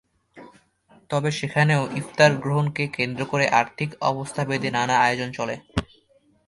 তবে সেখানেও ইফতার গ্রহণকে কেন্দ্র করে আর্থিক অবস্থাভেদে নানা আয়োজন চলে।